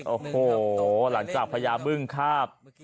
โอ้โหหลังจากพญาบึ้งคาบ